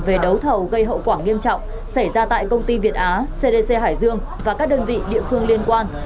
về đấu thầu gây hậu quả nghiêm trọng xảy ra tại công ty việt á cdc hải dương và các đơn vị địa phương liên quan